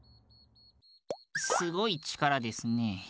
すごいちからですね。